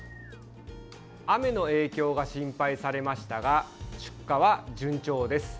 雨の影響が心配されましたが出荷は順調です。